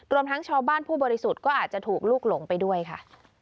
รวมทั้งชาวบ้านผู้บริสุทธิ์ก็อาจจะถูกลูกหลงไปด้วยค่ะ